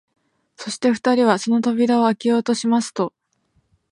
そして二人はその扉をあけようとしますと、